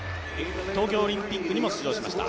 東京オリンピックにも出場しました。